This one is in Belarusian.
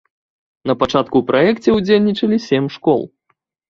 Напачатку ў праекце ўдзельнічалі сем школ.